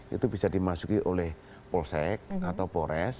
itu bisa dimasuki oleh polsek atau polres